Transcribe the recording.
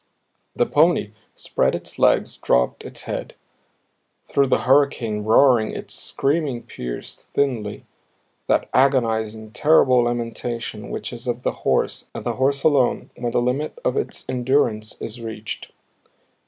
The pony spread its legs, dropped its head; through the hurricane roaring its screaming pierced thinly, that agonizing, terrible lamentation which is of the horse and the horse alone when the limit of its endurance is reached.